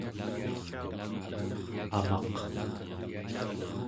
amaq